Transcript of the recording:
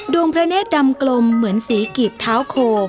พระเนธดำกลมเหมือนสีกรีบเท้าโค